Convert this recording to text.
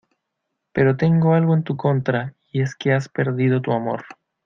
pero tengo algo en tu contra y es que has perdido tu amor